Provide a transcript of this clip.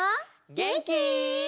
げんき？